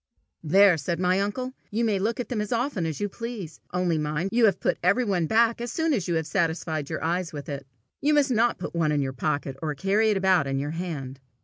"There," said my uncle, "you may look at them as often as you please; only mind you put every one back as soon as you have satisfied your eyes with it. You must not put one in your pocket, or carry it about in your hand."